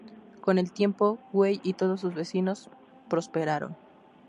Con el tiempo, Wei y todos sus vecinos prosperaron.